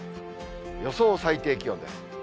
予想最低気温です。